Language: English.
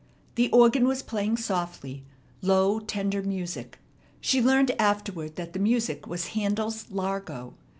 The organ was playing softly, low, tender music. She learned afterward that the music was Handel's "Largo."